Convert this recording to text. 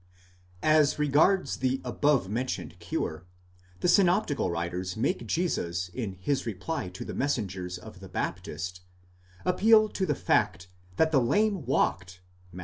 As regards the above mentioned cure, the synoptical writers make Jesus in his reply to the messengers of the Baptist, appeal to the fact that the lame walked (Matt.